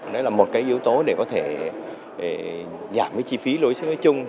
đó là một yếu tố để có thể giảm chi phí lối xứ ở chung